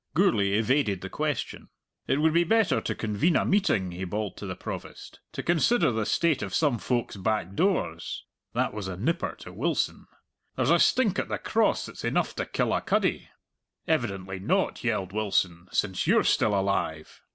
Gourlay evaded the question. "It would be better to convene a meeting," he bawled to the Provost, "to consider the state of some folk's back doors." That was a nipper to Wilson! "There's a stink at the Cross that's enough to kill a cuddy!" "Evidently not," yelled Wilson, "since you're still alive!"